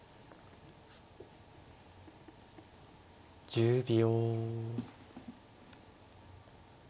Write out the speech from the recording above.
１０秒。